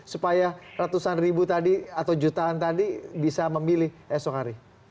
supaya ratusan ribu tadi atau jutaan tadi bisa memilih esok hari